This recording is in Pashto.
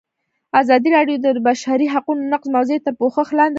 ازادي راډیو د د بشري حقونو نقض موضوع تر پوښښ لاندې راوستې.